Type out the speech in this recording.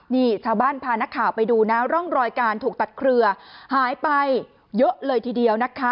นี่ชาวบ้านพานักข่าวไปดูนะร่องรอยการถูกตัดเครือหายไปเยอะเลยทีเดียวนะคะ